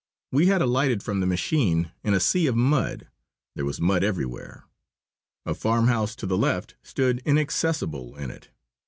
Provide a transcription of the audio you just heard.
We had alighted from the machine in a sea of mud. There was mud everywhere. A farmhouse to the left stood inaccessible in it.